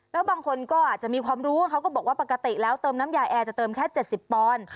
แล้วบางคนก็อาจจะมีความรู้เขาก็บอกว่าปกติแล้วเติมน้ำยาแอร์จะเติมแค่๗๐ปอนด์